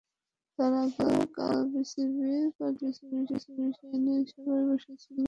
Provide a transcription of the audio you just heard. তার আগে কাল বিসিবি কার্যালয়ে কিছু বিষয় নিয়ে সভায় বসেছিল সিসিডিএম।